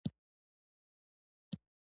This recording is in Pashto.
د چلم څکول په حجرو کې دود دی.